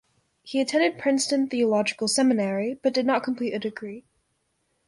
He attended Princeton Theological Seminary, but did not complete a degree.